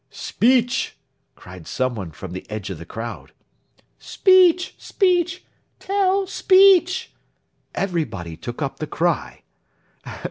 "Speech!" cried someone from the edge of the crowd. "Speech! Speech! Tell, speech!" Everybody took up the cry.